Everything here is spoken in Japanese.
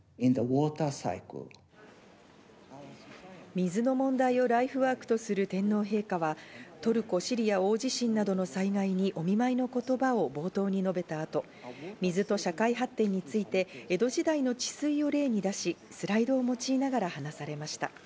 水の問題をライフワークとする天皇陛下は、トルコ・シリア大地震などの災害にお見舞いの言葉を冒頭に述べた後、水と社会発展について、江戸時代の治水を例に出し、スライドを用いながら話されました。